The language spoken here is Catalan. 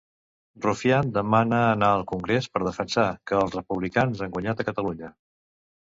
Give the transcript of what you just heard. Rufián demana anar al Congrés per defensar que els republicans han guanyat a Catalunya.